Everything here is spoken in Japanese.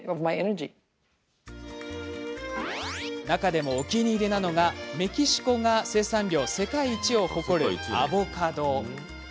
中でもお気に入りなのがメキシコが生産量世界一を誇るアボカド。